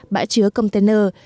bãi chứa container